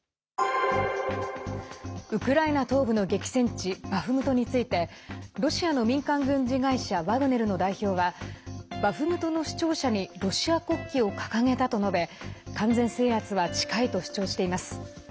ウクライナ東部の激戦地バフムトについてロシアの民間軍事会社ワグネルの代表はバフムトの市庁舎にロシア国旗を掲げたと述べ完全制圧は近いと主張しています。